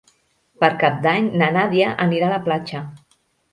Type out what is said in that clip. Per Cap d'Any na Nàdia anirà a la platja.